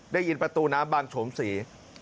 ได้ยินประตูน้ำบางโฉมศรี